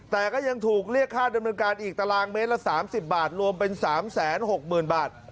แต่ก็ยังถูกเรียกค่าดำเนินการอีกตารางเมตรละ๓๐บาทรวมเป็น๓๖๐๐๐บาท